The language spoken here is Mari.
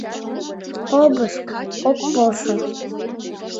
Обыск ок полшо.